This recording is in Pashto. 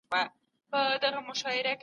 موږ به په دې لاره کي ثابت قدم پاتې سو.